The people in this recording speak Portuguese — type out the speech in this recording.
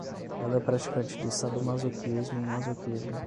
Ela é praticante de sadomasoquismo e masoquismo